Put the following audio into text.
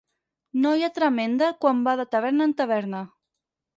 Noia tremenda quan va de taverna en taverna.